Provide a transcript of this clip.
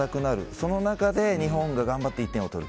その中で日本が頑張って１点を取る。